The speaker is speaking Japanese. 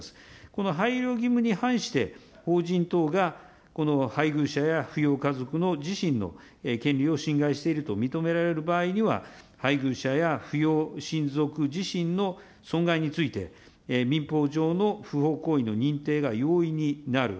この配慮義務に反して、法人等が配偶者や扶養家族の自身の権利を侵害していると認められる場合には、配偶者や扶養親族自身の損害について、民法上の不法行為の認定が容易になる。